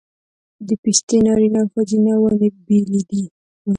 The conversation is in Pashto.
د پستې نارینه او ښځینه ونې بیلې دي؟